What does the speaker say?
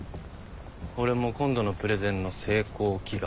俺も今度のプレゼンの成功祈願。